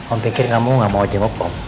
om pikir kamu gak mau jenguk om